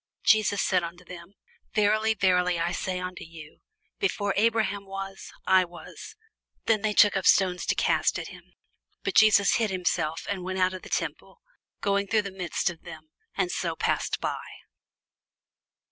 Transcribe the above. Jesus said unto them, Verily, verily, I say unto you, Before Abraham was, I am. Then took they up stones to cast at him: but Jesus hid himself, and went out of the temple, going through the midst of them, and so passed by.